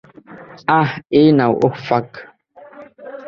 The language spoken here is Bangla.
হ্যাঁ এই নাও ওহ, ফাক!